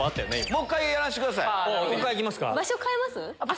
もう１回やらしてください。